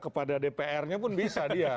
kepada dpr nya pun bisa dia